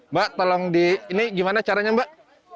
mbak tolong di ini gimana caranya mbak